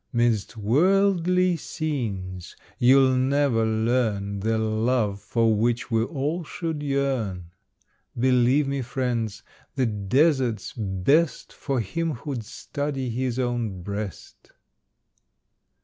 'Midst worldly scenes you'll never learn The love for which we all should yearn. Believe me, friends, the desert's best For him who'd study his own breast."